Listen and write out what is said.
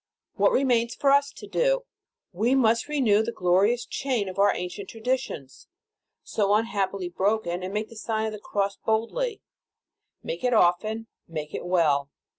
What remains for us to do? We must renew the glorious chain of our ancient traditions, so unhappily broken, and make the Sign of the Cross boldly, make it often, make it well.